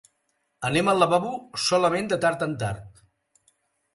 Anem al lavabo solament de tard en tard.